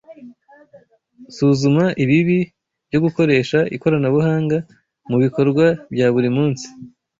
Suzuma ibibi byo gukoresha ikoranabuhanga mubikorwa bya buri munsi